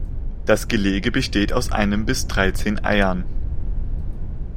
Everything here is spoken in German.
Das Gelege besteht aus einem bis dreizehn Eiern.